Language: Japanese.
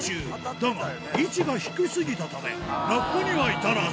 だが、位置が低すぎたため、落下には至らず。